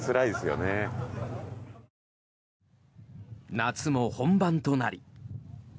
夏も本番となり。